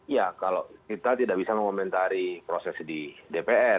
ya kalau kita tidak bisa mengomentari proses di dpr